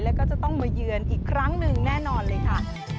แล้วก็จะต้องมาเยือนอีกครั้งหนึ่งแน่นอนเลยค่ะ